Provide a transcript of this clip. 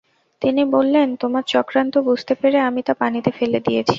তিনি বললেনঃ তোমার চক্রান্ত বুঝতে পেরে আমি তা পানিতে ফেলে দিয়েছি।